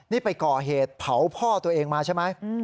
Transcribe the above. นี่ไปก่อเหตุเผาพ่อตัวเองมาใช่ไหม